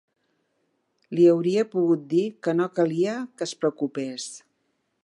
Li hauria pogut dir que no calia que es preocupés